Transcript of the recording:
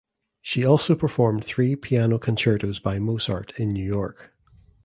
She also performed three piano concertos by Mozart in New York.